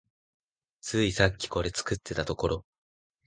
ついさっきこれ作ってたところ